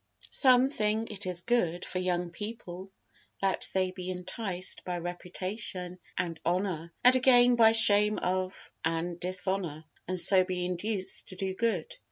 Some think it is good for young people that they be enticed by reputation and honor, and again by shame of and dishonor, and so be induced to do good.